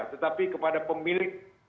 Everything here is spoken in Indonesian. tetapi kepada pemilik